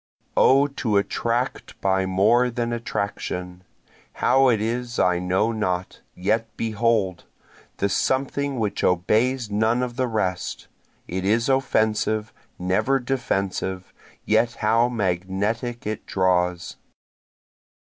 O to attract by more than attraction! How it is I know not yet behold! the something which obeys none of the rest, It is offensive, never defensive yet how magnetic it draws.